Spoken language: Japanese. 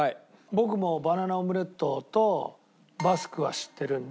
僕もバナナオムレットとバスクは知ってるんで。